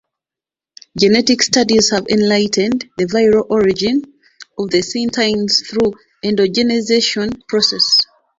Genetic studies have enlighted the viral origin of syncytins through endogenization process.